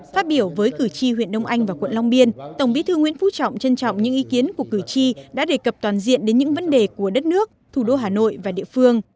tổng bí thư nguyễn phú trọng trân trọng những ý kiến của cử tri đã đề cập toàn diện đến những vấn đề của đất nước thủ đô hà nội và địa phương